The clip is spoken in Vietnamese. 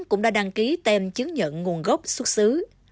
cũng đã đăng ký tem chứng nhận nguồn gốc xuất xứ